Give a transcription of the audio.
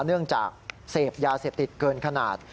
เนื่องจากเสพยาเสพติดเกินขนาด